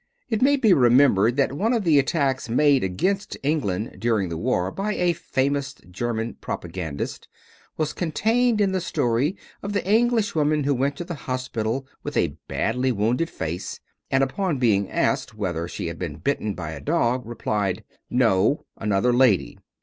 '" It may be remembered that one of the attacks made against England during the war by a famous German propagandist was contained in the story of the English woman who went to the hospital with a badly wounded face and upon being asked whether she had been bitten by a dog, replied, "No, another lady."